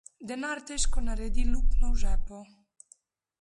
Denar težko naredi luknjo v žepu.